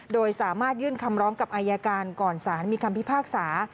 โดยสามารถยื่นคำร้องกับอายการก่อนสารมีคำพิพากษา